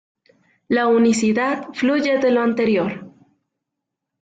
La unicidad fluye de lo anterior.